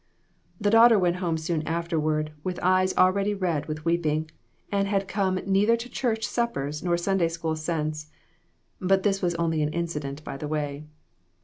The daughter went home soon afterward, with eyes already red with weeping, and had come nei ther to church suppers nor Sunday School since. But that was only an incident by the way.